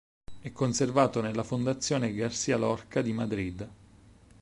È conservato nella Fondazione García Lorca di Madrid.